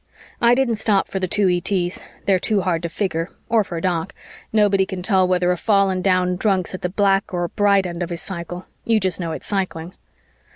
I didn't stop for the two ETs they're too hard to figure or for Doc; nobody can tell whether a fallen down drunk's at the black or bright end of his cycle; you just know it's cycling.